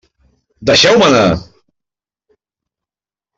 Deixeu-me anar!